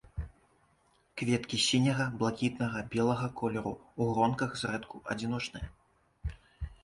Кветкі сіняга, блакітнага, белага колеру, у гронках, зрэдку адзіночныя.